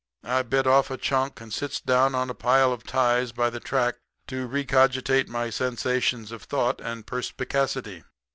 I bit off a chunk and sits down on a pile of ties by the track to recogitate my sensations of thought and perspicacity.